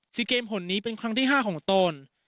เกมผลนี้เป็นครั้งที่ห้าของตน